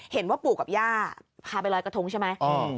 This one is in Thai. เห็นว่าปู่กับย่าพาไปลอยกระทงใช่ไหม